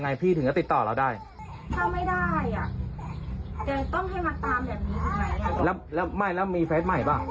ไม่มีไม่เล่น